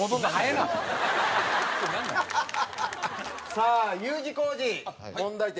さあＵ字工事問題点